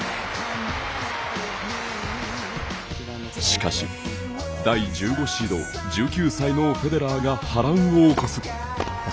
しかし、第１５シード１９歳のフェデラーが波乱を起こす。